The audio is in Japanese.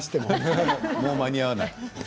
もう間に合わない。